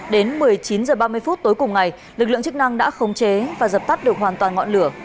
đến một mươi chín h ba mươi phút tối cùng ngày lực lượng chức năng đã khống chế và dập tắt được hoàn toàn ngọn lửa